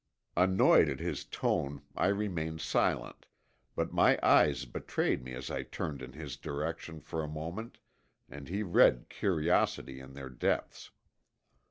Annoyed at his tone I remained silent, but my eyes betrayed me as I turned in his direction for a moment and he read curiosity in their depths.